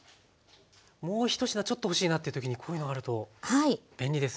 もう１品ちょっと欲しいなっていう時にこういうのがあると便利ですね。